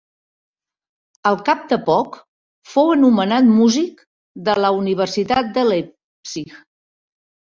Al cap de poc fou nomenat músic de la universitat de Leipzig.